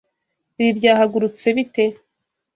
Ibi byahagurutse bite?